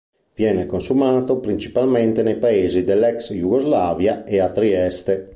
Viene consumato principalmente nei paesi dell'ex Jugoslavia e a Trieste.